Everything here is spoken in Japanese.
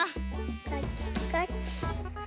かきかき。